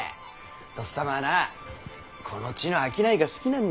とっさまはなこの地の商いが好きなんだ。